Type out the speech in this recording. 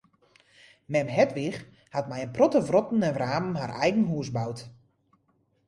Mem Hedwig hat mei in protte wrotten en wramen har eigen hûs boud.